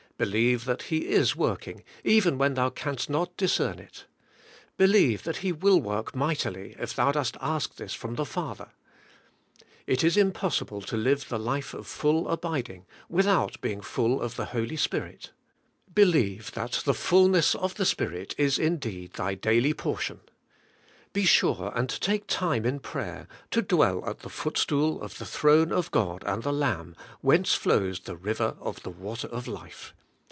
Believe that He is work ing, even when thou canst not discern it. Believe that He will work mightily if thou dost ask this from the Father. It is impossible to live 4he life of full abiding without being full of the Holy Spirit; believe that the fulness of the Spirit is indeed thy daily por 134 ABIDE IN CHRIST: tion. Be sure and take time in prayer to dwell at the footstool of the throne of God and the Lamb, whence flows the river of the water of life.